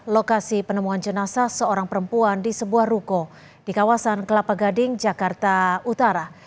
lokasi penemuan jenazah seorang perempuan di sebuah ruko di kawasan kelapa gading jakarta utara